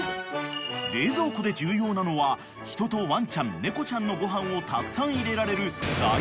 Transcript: ［冷蔵庫で重要なのは人とワンちゃん猫ちゃんのご飯をたくさん入れられる］